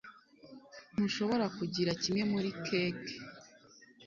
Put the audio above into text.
Ntushobora kugira kimwe muri keke